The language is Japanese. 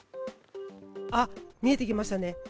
見えてきましたね。